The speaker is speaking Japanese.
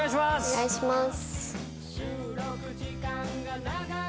お願いします！